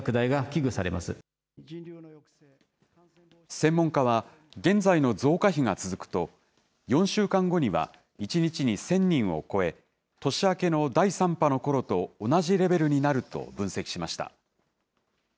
専門家は、現在の増加比が続くと、４週間後には１日に１０００人を超え、年明けの第３波のころと同じレベルになると分析しました。